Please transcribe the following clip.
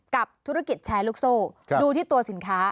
กับธุรกิจแชร์ลูกโซ่ดูที่ตัวสินค้า